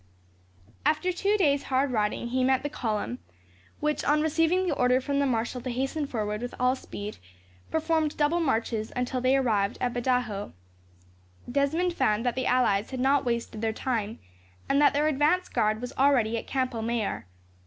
After two days' hard riding he met the column, which, on receiving the order from the marshal to hasten forward with all speed, performed double marches until they arrived at Badajos. Desmond found that the allies had not wasted their time, and that their advance guard was already at Campo Mayor.